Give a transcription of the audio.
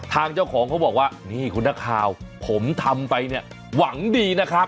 ทางเจ้าของเขาบอกว่านี่คุณนักข่าวผมทำไปเนี่ยหวังดีนะครับ